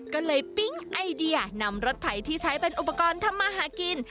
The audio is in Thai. ก็เลยปิ๊งไอเดียนำรถไถที่ใช้เป็นอุปกรณ์ทำมาหากิน